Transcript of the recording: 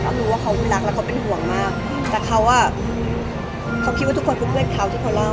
รู้ว่าเขารักแล้วเขาเป็นห่วงมากแต่เขาอ่ะเขาคิดว่าทุกคนเป็นเพื่อนเขาที่เขาเล่า